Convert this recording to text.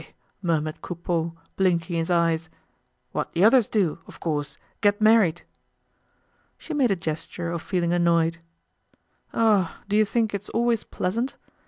murmured Coupeau, blinking his eyes, "what the others do, of course, get married!" She made a gesture of feeling annoyed. "Oh! do you think it's always pleasant?